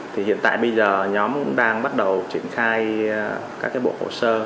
thì hiện tại bây giờ nhóm cũng đang bắt đầu triển khai các cái bộ hồ sơ